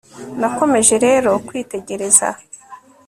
nakomeje rero kwitegereza